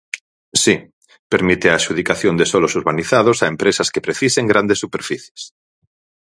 Si, permite a adxudicación de solos urbanizados a empresas que precisen grandes superficies.